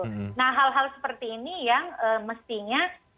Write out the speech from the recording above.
nah hal hal seperti ini yang mestinya